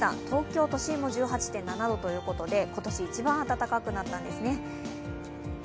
東京都心も１８．７度ということで今年一番暖かくなったんですね。